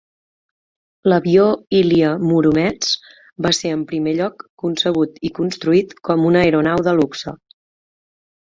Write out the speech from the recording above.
L'avió Ilya Muromets va ser en primer lloc concebut i construït com una aeronau de luxe.